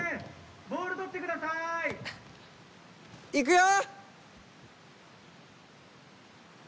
ボール取ってください。いくよ！